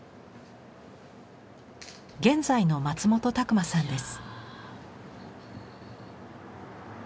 現在の松本拓万さんです。